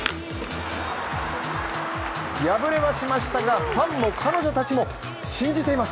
敗れはしましたが、ファンも彼女たちも信じています。